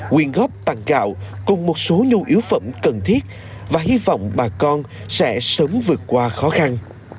quyên góp tặng gạo cùng một số nhu yếu phẩm cần thiết và hy vọng bà con sẽ sớm vượt qua khó khăn